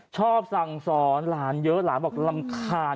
ชอบสั่งสอนหลานเยอะหลานบอกรำคาญ